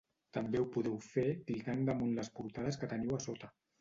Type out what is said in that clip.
També ho podeu fer clicant damunt les portades que teniu a sota.